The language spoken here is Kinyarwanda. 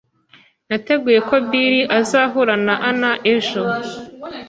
Nateguye ko Bill azahura na Ann ejo.